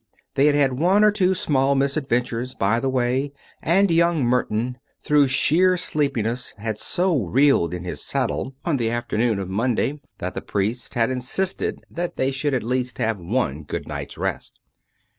They had had one or two small misadven tures by the way, and young Merton, through sheer sleepi ness, had so reeled in his saddle on the afternoon of Mon day, that the priest had insisted that they should both have at least one good night's rest.